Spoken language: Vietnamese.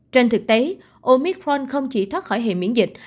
trên thực tế omicron không chỉ thoát khỏi hệ miễn dịch